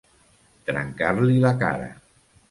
Trencar-li la cara.